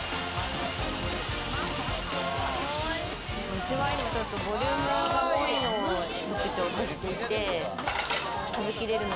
うちは今ボリュームが多いのを特徴としていて、食べきれの？